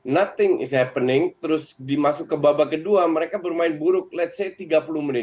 nothing is happening terus dimasuk ke babak kedua mereka bermain buruk ⁇ lets ⁇ say tiga puluh menit